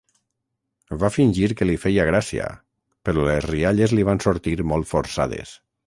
Va fingir que li feia gràcia, però les rialles li van sortir molt forçades.